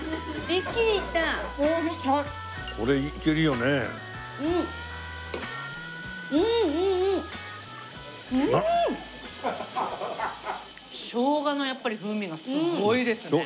生姜のやっぱり風味がすごいですね。